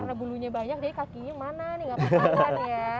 karena bulunya banyak jadi kakinya mana nih